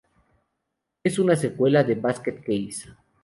Es una secuela de "Basket Case".